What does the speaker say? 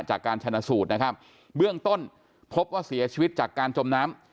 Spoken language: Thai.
จากการชนะสูตรนะครับเบื้องต้นพบว่าเสียชีวิตจากการจมน้ำ